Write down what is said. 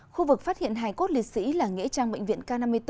khu vực phát hiện hải cốt lịch sĩ là nghĩa trang bệnh viện k năm mươi bốn